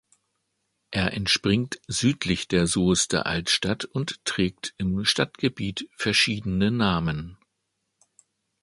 Er entspringt südlich der Soester Altstadt und trägt im Stadtgebiet verschiedene Namen.